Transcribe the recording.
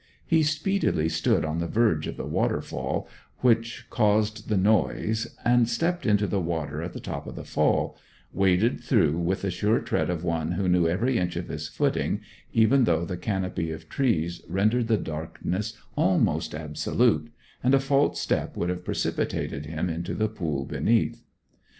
He speedily stood on the verge of the waterfall which caused the noise, and stepping into the water at the top of the fall, waded through with the sure tread of one who knew every inch of his footing, even though the canopy of trees rendered the darkness almost absolute, and a false step would have precipitated him into the pool beneath.